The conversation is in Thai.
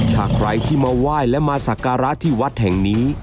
ถ้าใครที่มาไหว้และมาสักการะที่วัดแห่งนี้